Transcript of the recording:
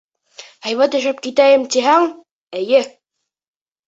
Һәйбәт йәшәп китәйем тиһәң, эйе.